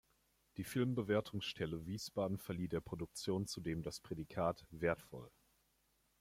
Die Filmbewertungsstelle Wiesbaden verlieh der Produktion zudem das Prädikat "wertvoll".